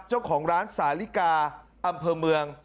เจ้าของร้านสาลิกาอำเภอเมือง